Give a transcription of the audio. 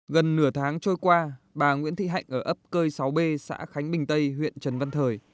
gần nửa tháng trôi qua bà nguyễn thị hạnh ở ấp cơi sáu b xã khánh bình tây huyện trần văn thời